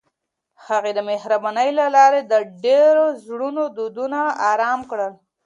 هغې د مهربانۍ له لارې د ډېرو زړونو دردونه ارام کړل.